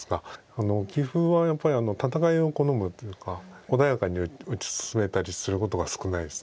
棋風はやっぱり戦いを好むというか穏やかに打ち進めたりすることが少ないです。